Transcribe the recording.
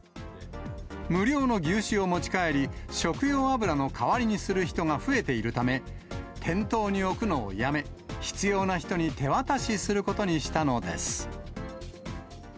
無料の牛脂を持ち帰り、食用油の代わりにする人が増えているため、店頭に置くのをやめ、必要な人に手渡しすることにしたのです。